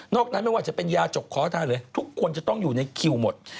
นั้นไม่ว่าจะเป็นยาจกขอทานเลยทุกคนจะต้องอยู่ในคิวหมด